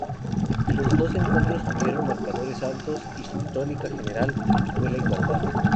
Los dos encuentros tuvieron marcadores altos y su tónica general fue la igualdad.